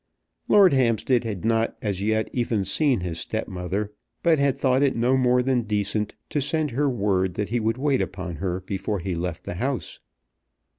Lord Hampstead had not as yet even seen his stepmother, but had thought it no more than decent to send her word that he would wait upon her before he left the house.